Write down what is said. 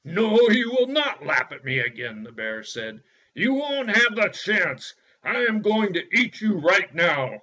"No, you will not laugh at me again," the bear said. "You won't have the chance. I am going to eat you right now."